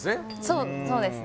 そうそうですね